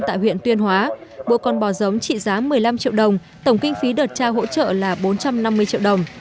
tại huyện tuyên hóa mỗi con bò giống trị giá một mươi năm triệu đồng tổng kinh phí đợt trao hỗ trợ là bốn trăm năm mươi triệu đồng